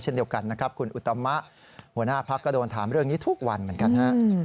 ต่อมะหัวหน้าภักดิ์ก็โดนถามเรื่องนี้ทุกวันเหมือนกัน